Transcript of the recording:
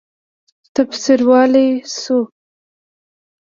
تفسیرولای شو.